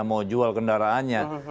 mau jual kendaraannya